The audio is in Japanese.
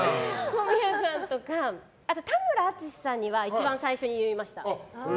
小宮さんとかあと田村淳さんには最初に言いました。